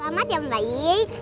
selamat ya mbaik